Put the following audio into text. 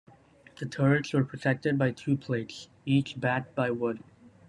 The turrets were protected by two plates, each backed by wood.